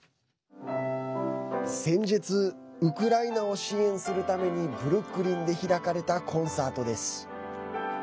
先日ウクライナを支援するためにブルックリンで開かれたコンサートです。